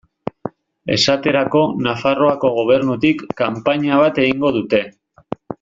Esaterako Nafarroako Gobernutik kanpaina bat egingo dute.